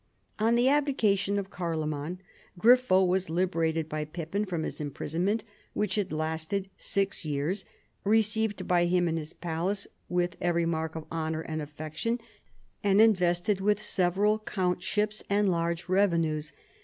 On the abdication of Carloman, Grifo was liber ated by Pippin from his imprisonment wliich had lasted six x'^ears, received by him in his palace with every mark of honor and affection, and invested with several countships and large revenues.